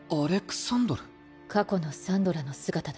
過去のサンドラの姿だ。